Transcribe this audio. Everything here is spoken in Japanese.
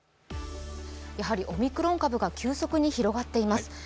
オミクロン株が急速に広がっています。